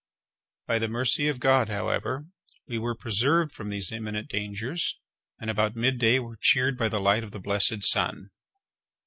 By the mercy of God, however, we were preserved from these imminent dangers, and about midday were cheered by the light of the blessed sun.